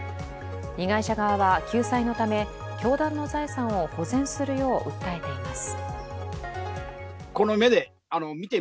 被害者側は、救済のため教団の財産を保全するよう訴えています。